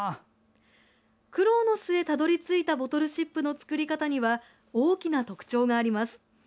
苦労の末、たどり着いたボトルシップの作り方には大きな特徴があります。